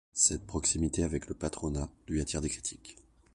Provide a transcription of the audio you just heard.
Cette proximité avec le patronat lui attire des critiques.